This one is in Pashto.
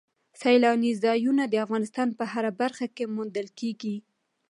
سیلانی ځایونه د افغانستان په هره برخه کې موندل کېږي.